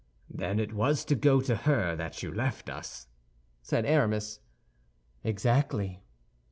"Then it was to go to her that you left us?" said Aramis. "Exactly."